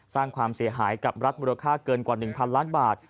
สร้างความเสียหายกับรัฐมูลค่าเกินกว่า๑๐๐ล้านบาท